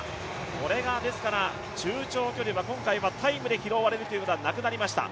これが中長距離、今回はタイムで拾われるということはなくなりました。